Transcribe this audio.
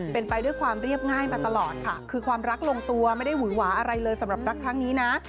เป็นไปด้วยความเรียบง่ายมาตลอดค่ะคือความรักลงตัวไม่ได้หวุยหวาอะไรเลยสำหรับรักครั้งนี้นะ